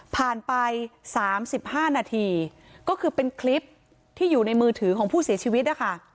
ผ่านไป๓๕นาทีก็คือเป็นคลิปที่อยู่ในมือถือของผู้เสียชีวิตนะคะ